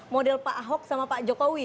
model pak ahok sama pak jokowi